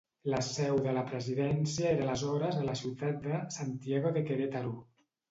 La seu de la presidència era aleshores a la ciutat de Santiago de Querétaro.